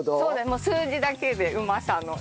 もう数字だけでうまさの。